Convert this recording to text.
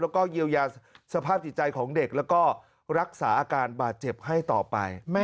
แล้วก็เยียวยาสภาพจิตใจของเด็กแล้วก็รักษาอาการบาดเจ็บให้ต่อไป